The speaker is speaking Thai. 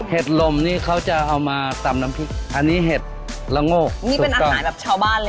ลมนี่เขาจะเอามาตำน้ำพริกอันนี้เห็ดละโงกนี่เป็นอาหารแบบชาวบ้านเลย